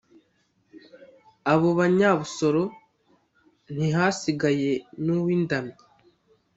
abo banyabusoro ntihasigaye n’uw’indamyi